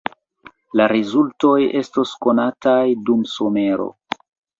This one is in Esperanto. La rezultoj estos konataj dum somero.